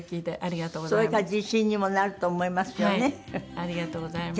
ありがとうございます。